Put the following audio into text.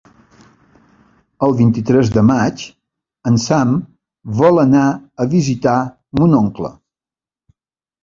El vint-i-tres de maig en Sam vol anar a visitar mon oncle.